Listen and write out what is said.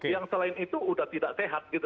yang selain itu sudah tidak sehat gitu